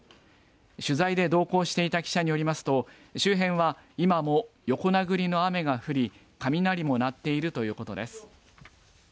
取材で同行していた記者によりますと周辺は今も横殴りの雨が降り雷も鳴っているということです。